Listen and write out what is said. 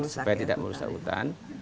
supaya tidak merusak hutan